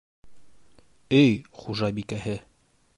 Өй хужабикәһе.